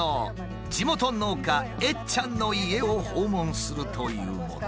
地元農家えっちゃんの家を訪問するというもの。